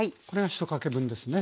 １かけ分です。